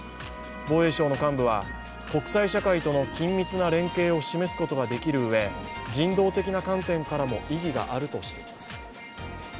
防衛省の幹部は国際社会との緊密な連携を示すことができるうえ人道的な観点からも意義があるとしています。